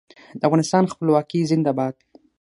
د افغانستان خپلواکي زنده باد.